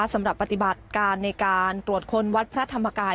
สำหรับปฏิบัติการในการตรวจค้นวัดพระธรรมกาย